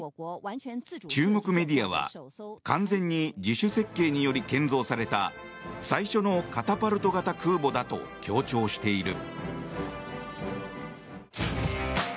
中国メディアは完全に自主設計により建造された最初のカタパルト型空母だと強調している。